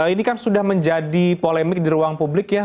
ini kan sudah menjadi polemik di ruang publik ya